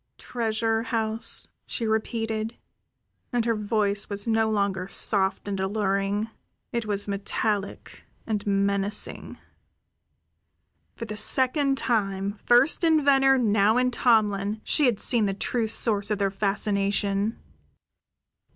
"Treasure house?" she repeated, and her voice was no longer soft and alluring; it was metallic and menacing. For the second time, first in Venner, now in Tomlin, she had seen the true source of their fascination.